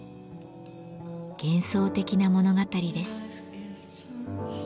幻想的な物語です。